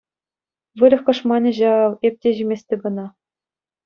Выльӑх кӑшманӗ ҫав! Эп те ҫиместӗп ӑна!